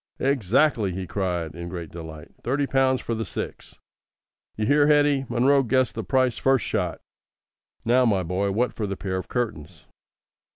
"Exactly!" he cried, in great delight; "thirty pounds for the six. You hear, Hetty! Munro guessed the price first shot. Now, my boy, what for the pair of curtains?"